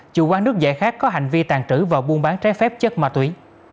chủ quan nước giải khác có hành vi tàn trữ vào buôn bán trái phép chất ma túy